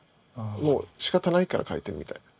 もうしかたないから描いてるみたいな。